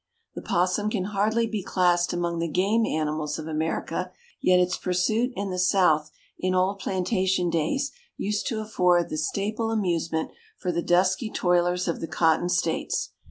"The opossum can hardly be classed among the game animals of America, yet its pursuit in the South in old plantation days used to afford the staple amusement for the dusky toilers of the cotton states.